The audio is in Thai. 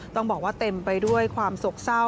ต้องบอกว่าเต็มไปด้วยความโศกเศร้า